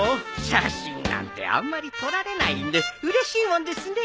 写真なんてあんまり撮られないんでうれしいもんですね。